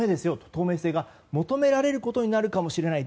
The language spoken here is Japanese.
透明性が求められることになるかもしれない。